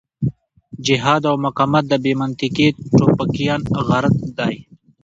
جهاد او مقاومت د بې منطقې ټوپکيان غرت دی.